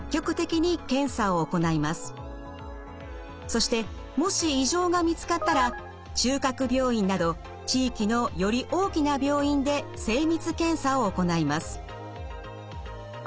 そしてもし異常が見つかったら中核病院など地域のより大きな病院で精密検査を行います。